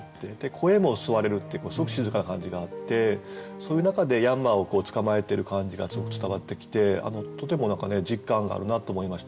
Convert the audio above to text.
声も吸われるっていうすごく静かな感じがあってそういう中でヤンマを捕まえてる感じがすごく伝わってきてとても実感があるなと思いました。